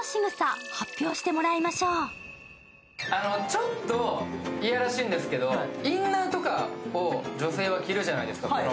ちょっと嫌らしいんですけど、インナーとかを女性は着るじゃないですか。